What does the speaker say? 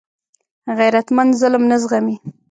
غیرتمند ظلم نه زغمي